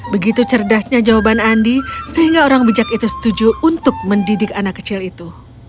begitu cerdasnya jawaban andi sehingga orang bijak itu setuju untuk mendidik anak kecil itu